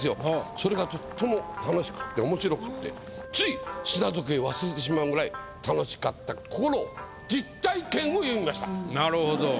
それがとっても楽しくっておもしろくってつい砂時計忘れてしまうぐらい楽しかった心をなるほど。